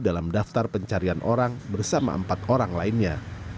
dalam daftar pencarian orang bersama empat orang lainnya